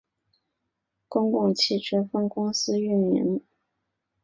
旅顺口区的公交线路全部由大连交通运输集团旅顺公交汽车分公司运营。